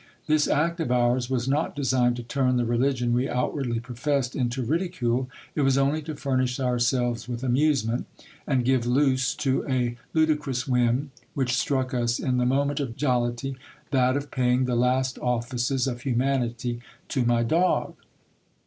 This act of ours was not designed to turn the religion we outwardly professed into ridicule ; it was only to furnish ourselves with amusement, and give loose to a ludicrous whim which struck us in the moment of jollity, that of paying the last offices of humanity to my dog.